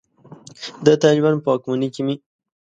د طالبانو په واکمنۍ کې مې.